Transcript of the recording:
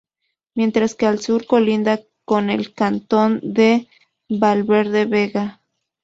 Mientras que al sur colinda con el cantón de Valverde Vega.